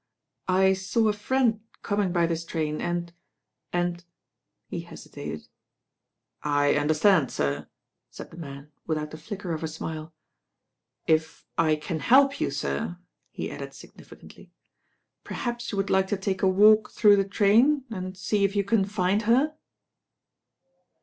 "I saw a friend coming by this train and— and " he hesitated. "I understand, sir," said the man without the flicker of a smile. "If I can help you, sir," he added significantly, "perhaps you would like to take a walk through the train and see if you can find her."